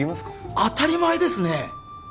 当たり前ですね